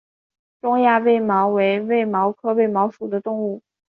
中亚卫矛为卫矛科卫矛属的植物。